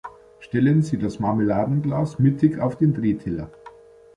Stellen Sie das Marmeladenglas mittig auf den Drehteller.